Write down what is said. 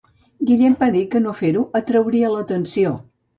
Guillem va dir que no fer-ho atrauria l'atenció.